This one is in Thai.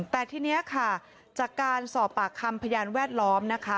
แต่ทีนี้ค่ะจากการสอบปากคำพยานแวดล้อมนะคะ